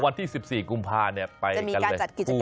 วันที่๑๔กรุงภาพันธ์จะมีการจัดกิจกรรม